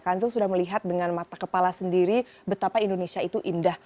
kanza sudah melihat dengan mata kepala sendiri betapa indonesia itu indah